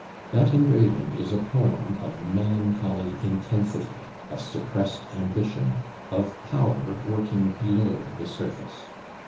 That engraving is a poem of melancholy intensity, of suppressed ambition, of power working below the surface.